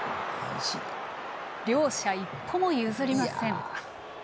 両者、一歩も譲りません。